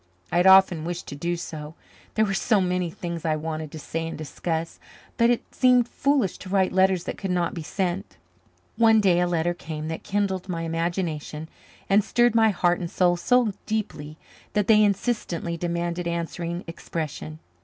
I had often wished to do so there were so many things I wanted to say and discuss, but it seemed foolish to write letters that could not be sent. One day a letter came that kindled my imagination and stirred my heart and soul so deeply that they insistently demanded answering expression.